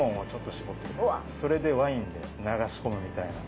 それでワインで流し込むみたいな。